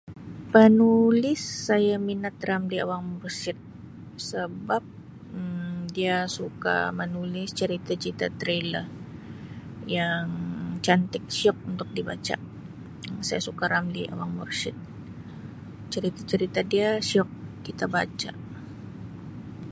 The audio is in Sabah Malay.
Penulis saya minat Ramlee Awang Mursyid sebab Um dia suka menulis cerita-cerita thriller yang cantik, syiok untuk dibaca. Saya suka Ramlee Awang Mursyid, cerita-cerita dia syiok kita baca.